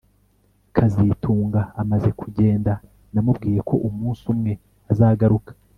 kazitunga amaze kugenda namubwiye ko umunsi umwe azagaruka